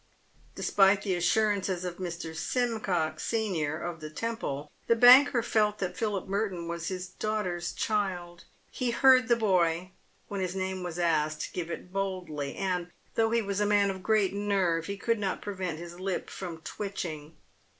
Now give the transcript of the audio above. Despite the assurances of Mr. Simcox, sen., of the Temple, the banker felt that Philip Merton was his daughter's child. He heard the boy, when his name was asked, give it boldly, and, though he was a man of great nerve, he could not prevent his lip from twitching.